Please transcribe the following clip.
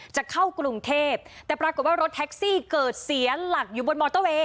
จะเข้ากรุงเทพแต่ปรากฏว่ารถแท็กซี่เกิดเสียหลักอยู่บนมอเตอร์เวย์